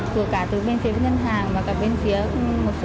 phía bên ngân hàng và cả bên phía một số các cửa hàng giới thiệu